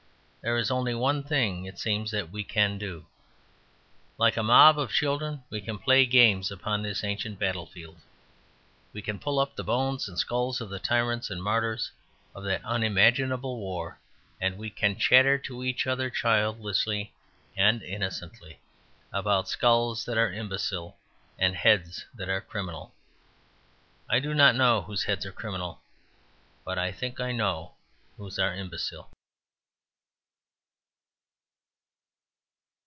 There is only one thing, it seems, that we can do. Like a mob of children, we can play games upon this ancient battlefield; we can pull up the bones and skulls of the tyrants and martyrs of that unimaginable war; and we can chatter to each other childishly and innocently about skulls that are imbecile and heads that are criminal. I do not know whose heads are criminal, but I think I know whose are imbecile.